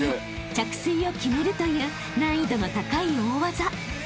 ［着水を決めるという難易度の高い大技］